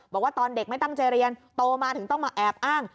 บอกว่าตอนเด็กไม่ตั้งใจเรียนโตมาถึงต้องมาแอบอ้าง